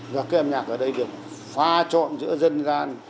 và cái âm nhạc ở đây được pha trộn giữa dân gian